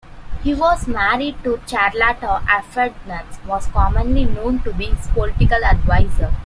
He was married to Charlotta Arfwedson, was commonly known to be his political adviser.